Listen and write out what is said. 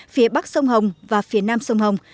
phía bắc sông hồng và phía nam sông hồng